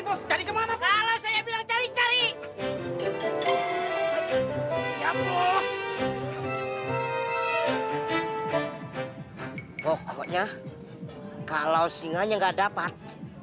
bos jadi kemana kalau saya bilang cari cari siap loh pokoknya kalau singanya nggak dapat